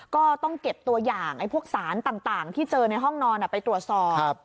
ก็ต้องเก็บตัวอย่างพวกสารต่างที่เจอในห้องนอนไปตรวจสอบ